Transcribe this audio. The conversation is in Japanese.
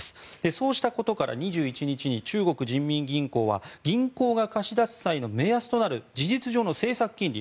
そうしたことから２１日に中国人民銀行は銀行が貸し出す際の目安となる事実上の政策金利